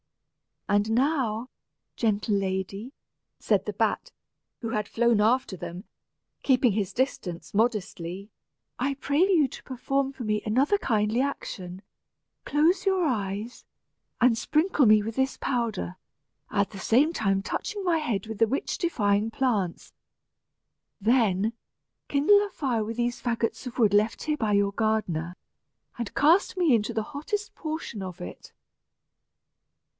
"And now, gentle lady," said the bat, who had flown after them, keeping his distance modestly, "I pray you to perform for me another kindly action. Close your eyes, and sprinkle me with this powder, at the same time touching my head with the witch defying plants. Then, kindle a fire with these fagots of wood left here by your gardener, and cast me into the hottest portion of it."